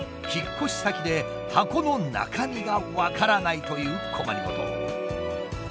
引っ越し先で箱の中身が分からないという困り事。